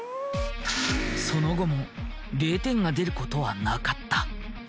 その後も０点が出ることはなかった。